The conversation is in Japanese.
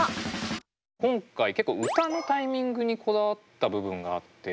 今回結構歌のタイミングにこだわった部分があって。